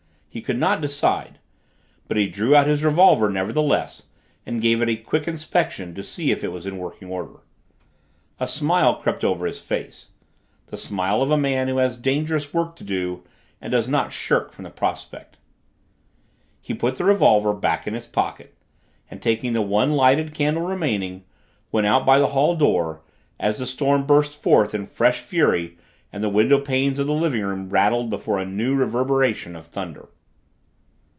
He could not decide, but he drew out his revolver nevertheless and gave it a quick inspection to see if it was in working order. A smile crept over his face the smile of a man who has dangerous work to do and does not shrink from the prospect. He put the revolver back in his pocket and, taking the one lighted candle remaining, went out by the hall door, as the storm burst forth in fresh fury and the window panes of the living room rattled before a new reverberation of thunder.